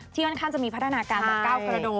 ที่ค่อนข้างจะมีพัฒนาการแบบก้าวสะละโด